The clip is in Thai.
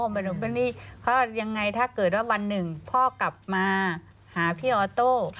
ไม่รู้เขายังไงถ้าเกิดว่าวันหนึ่งพ่อกลับมาหาพี่ออโต้